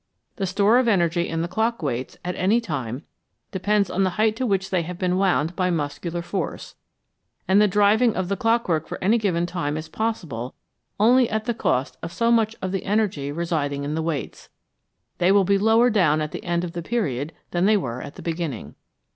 "" The store of energy in the clock weights at any time depends on the height to which they have been wound by muscular force, and the driving of the clockwork for any given time is possible only at the cost of so much of the energy residing in the weights ; they will be lower down at the end of the period than they were at the beginning.